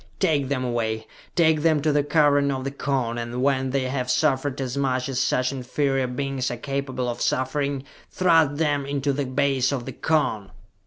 "Take them away! Take them to the Cavern of the Cone, and when they have suffered as much as such inferior beings are capable of suffering, thrust them into the base of the Cone!"